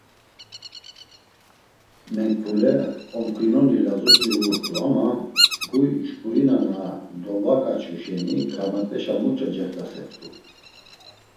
Menkbule omkvinoni lazut̆i uğurt̆u ama huy şǩurina na dolvoǩaçu şeni karmat̆eşa muç̌o cext̆asert̆u?